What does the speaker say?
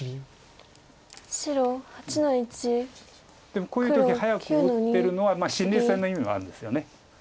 でもこういう時早く打ってるのは心理戦の意味もあるんですよね。